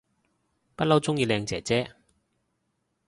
不嬲鍾意靚姐姐